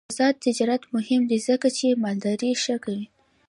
آزاد تجارت مهم دی ځکه چې مالداري ښه کوي.